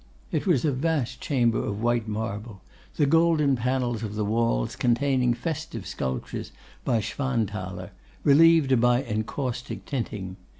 It was a vast chamber of white marble, the golden panels of the walls containing festive sculptures by Schwanthaler, relieved by encaustic tinting.